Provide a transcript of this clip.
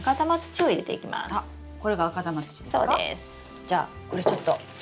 じゃあこれちょっと。